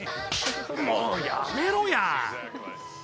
もう、やめろや！